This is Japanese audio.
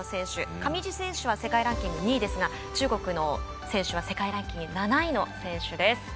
上地選手、世界ランキング２位で中国選手は世界ランキング７位の選手です。